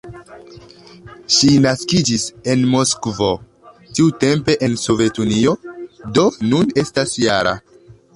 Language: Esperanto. Ŝi naskiĝis en Moskvo, tiutempe en Sovetunio, do nun estas -jara.